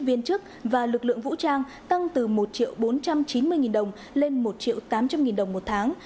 viên chức và lực lượng vũ trang tăng từ một bốn trăm chín mươi đồng lên một tám trăm linh đồng một tháng